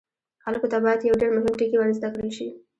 خلکو ته باید یو ډیر مهم ټکی ور زده کړل شي.